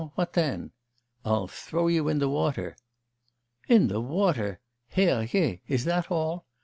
What then' 'I'll throw you in the water!' 'In the water? Herr Je! Is that all?